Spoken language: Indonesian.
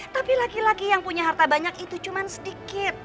tapi laki laki yang punya harta banyak itu cuma sedikit